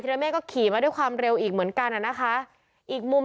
ระเมฆก็ขี่มาด้วยความเร็วอีกเหมือนกันอ่ะนะคะอีกมุม